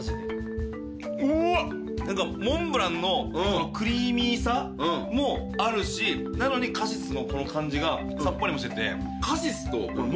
モンブランのクリーミーさもあるしなのにカシスのこの感じがさっぱりもしてて。